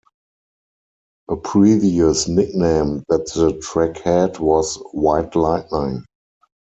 A previous nickname that the track had was White Lightning.